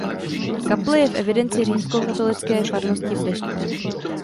Kaple je v evidenci Římskokatolické farnosti v Deštné.